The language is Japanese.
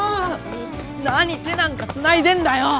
何手なんかつないでんだよ！